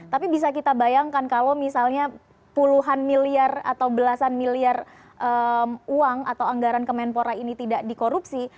tapi bisa kita bayangkan kalau misalnya puluhan miliar atau belasan miliar uang atau anggaran kemenpora ini tidak dikorupsi